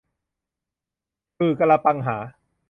ขื่อกะละปังหา